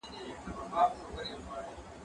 زه بازار ته تللی دی!.